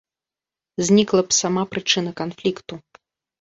Знікла б сама прычына канфлікту.